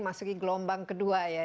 masuki gelombang kedua ya